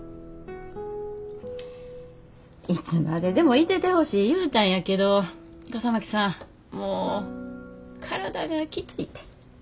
いつまででもいててほしい言うたんやけど笠巻さんもう体がきついて。